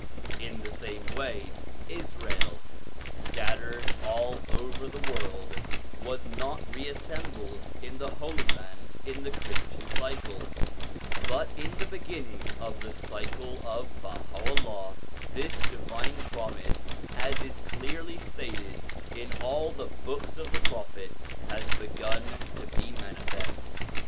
In the same way, Israel, scattered all over the world, was not reassembled in the Holy Land in the Christian cycle ; but in the beginning of the cycle of Baha'u'llah this divine promise, as is clearly stated in all the Books of the Prophets, has begun to be manifest.